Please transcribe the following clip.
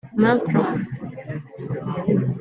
Macron